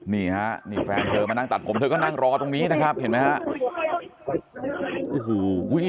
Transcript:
นี่ฮะนี่แฟนเธอมานั่งตัดผมเธอก็นั่งรอตรงนี้นะครับเห็นไหมฮะ